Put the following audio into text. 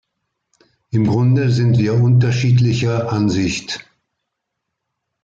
Im Grunde sind wir unterschiedlicher Ansicht.